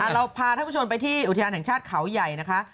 เราพาท่านผู้ชมไปที่อุทยานแห่งชาติเขาใหญ่นะคะ